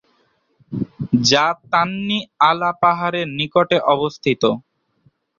যা তান্নি-অলা পাহাড়ের নিকটে অবস্থিত।